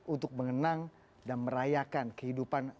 untuk mengenang dan merayakan kehidupan